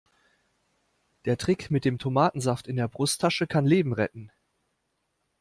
Der Trick mit dem Tomatensaft in der Brusttasche kann Leben retten.